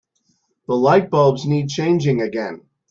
The lightbulbs need changing again.